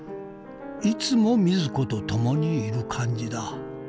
いつも瑞子と共にいる感じだ。